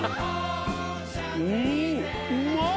うんうまい！